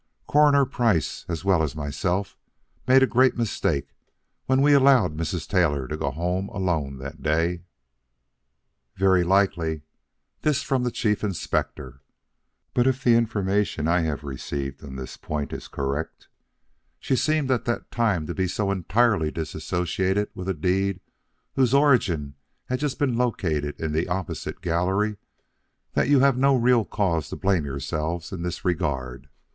Coroner Price as well as myself made a great mistake when we allowed Mrs. Taylor to go home alone that day." "Very likely." This from the Chief Inspector. "But if the information I have received on this point is correct, she seemed at that time to be so entirely dissociated with a deed whose origin had just been located in the opposite gallery, that you have no real cause to blame yourselves in this regard."